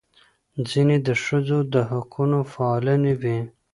ځینې د ښځو د حقونو فعالانې وې.